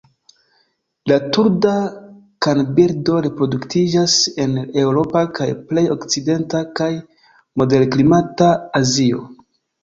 La Turda kanbirdo reproduktiĝas en Eŭropo kaj plej okcidenta kaj moderklimata Azio.